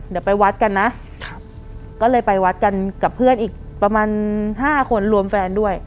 เดี๋ยวไปวัดกันนะก็เลยไปวัดกันกับเพื่อนอีกประมาณ๕คนรวมแฟนด้วย